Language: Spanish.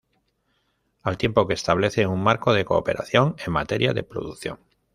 Al tiempo que establece un marco de cooperación en materia de producción.